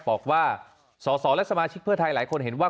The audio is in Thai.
บอกว่าสอสอและสมาชิกเพื่อไทยหลายคนเห็นว่า